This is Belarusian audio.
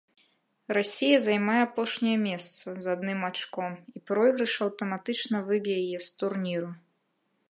Расія займае апошняе месца з адным ачком і пройгрыш аўтаматычна выб'е яе з турніру.